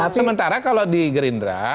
sementara kalau di gerindra